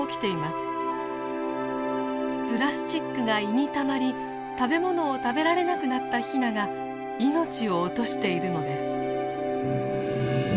プラスチックが胃にたまり食べ物を食べられなくなったヒナが命を落としているのです。